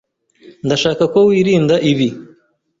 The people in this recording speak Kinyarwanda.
Ndashaka ko wirinda ibi.